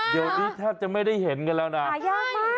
เดี๋ยวนี้แทบจะไม่ได้เห็นกันแล้วนะหายากมาก